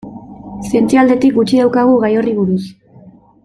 Zientzia aldetik gutxi daukagu gai horri buruz.